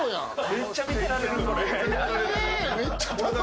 めっちゃ見てられる。